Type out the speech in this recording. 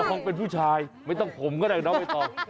คงเป็นผู้ชายไม่ต้องผมก็ได้น้องใบตอง